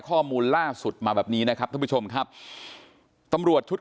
ข้อมูลล่าสุดมาแบบนี้นะครับท่านผู้ชมครับตำรวจชุด